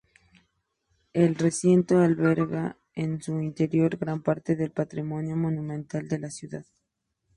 El recinto alberga en su interior gran parte del patrimonio monumental de la ciudad.